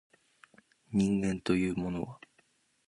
人間というものは